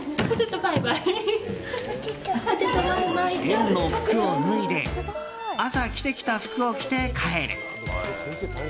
園の服を脱いで朝着てきた服を着て帰る。